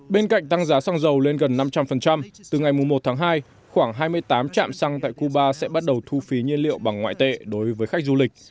bên cạnh tăng giá xăng dầu lên gần năm trăm linh từ ngày một tháng hai khoảng hai mươi tám trạm xăng tại cuba sẽ bắt đầu thu phí nhiên liệu bằng ngoại tệ đối với khách du lịch